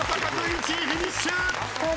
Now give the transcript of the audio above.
１位フィニッシュ！